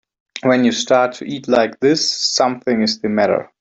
When you start to eat like this something is the matter.